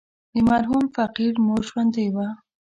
د مرحوم فقير مور ژوندۍ وه.